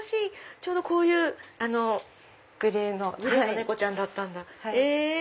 ちょうどこういうグレーの猫ちゃんだったんだ。え！